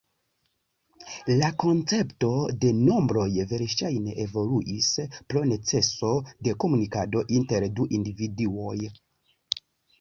La koncepto de nombroj verŝajne evoluis pro neceso de komunikado inter du individuoj.